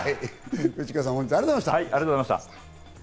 内川さん、本日はありがとうございました。